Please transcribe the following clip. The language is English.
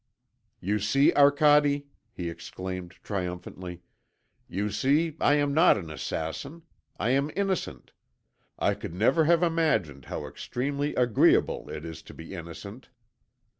"You see, Arcade," he exclaimed triumphantly; "you see I am not an assassin. I am innocent. I could never have imagined how extremely agreeable it is to be innocent."